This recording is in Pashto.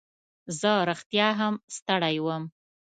زه رښتیا هم ستړی وم.